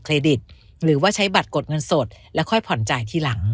ดิตหรือว่าใช้บัตรกดเงินสดแล้วค่อยผ่อนจ่ายทีหลัง